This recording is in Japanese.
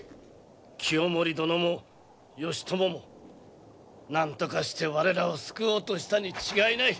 清盛殿も義朝もなんとかして我らを救おうとしたに違いない。